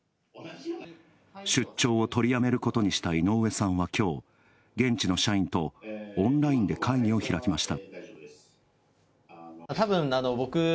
出張を取りやめることにした井上さんは、きょう現地の社員とオンラインで会議を開きました。